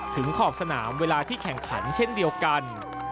ขอบสนามเวลาที่แข่งขันเช่นเดียวกัน